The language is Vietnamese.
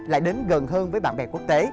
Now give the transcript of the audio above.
lại đến gần hơn với bạn bè quốc tế